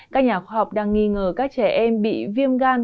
các nhà khoa học đang nghi ngờ các trẻ em bị viêm gan